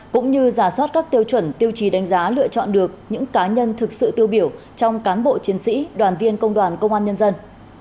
cũng như giả soát các tiêu chuẩn tiêu chí đánh giá lựa chọn được những cá nhân thực sự tiêu biểu trong cán bộ chiến sĩ đoàn viên công đoàn công an nhân dân